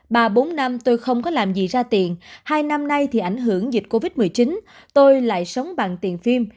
bà bốn năm tôi không có làm gì ra tiền hai năm nay thì ảnh hưởng dịch covid một mươi chín tôi lại sống bằng tiền phim